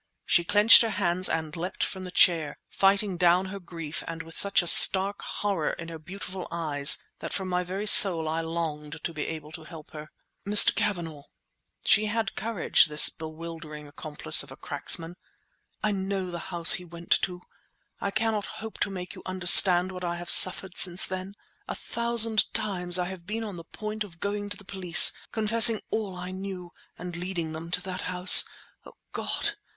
She clenched her hands and leapt from the chair, fighting down her grief and with such a stark horror in her beautiful eyes that from my very soul I longed to be able to help her. "Mr. Cavanagh" (she had courage, this bewildering accomplice of a cracksman), "I know the house he went to! I cannot hope to make you understand what I have suffered since then. A thousand times I have been on the point of going to the police, confessing all I knew, and leading them to that house! O God!